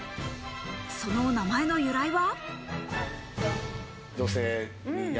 その名前の由来は。